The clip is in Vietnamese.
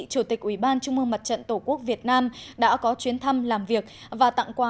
chủ tịch ủy ban trung mương mặt trận tổ quốc việt nam đã có chuyến thăm làm việc và tặng quà